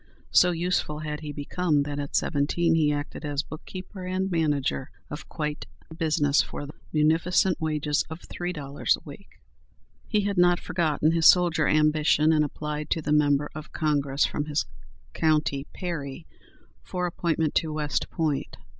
So useful had he become, that at seventeen he acted as bookkeeper and manager of quite a business for the munificent wages of three dollars a week. He had not forgotten his soldier ambition, and applied to the member of Congress from his county, Perry, for appointment to West Point.